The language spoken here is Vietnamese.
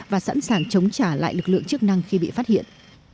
và sẵn sàng chống trả lại lực lượng chức năng khi bị phát hiện